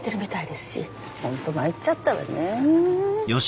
ホント参っちゃったわね。